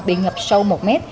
bị ngập sâu một mét